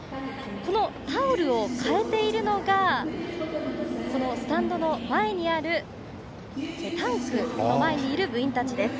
このタオルを替えているのがスタンドの前にあるタンクの前にいる部員たちです。